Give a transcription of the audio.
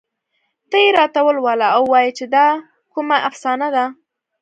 ته یې راته ولوله او ووايه چې دا کومه افسانه ده